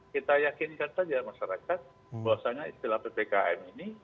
kita yakinkan saja masyarakat bahwasanya istilah ppkm ini